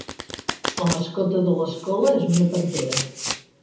La mascota de l'escola és una pantera.